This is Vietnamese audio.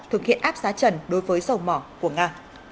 thực hiện áp giá trần đối với dầu mỏ của nga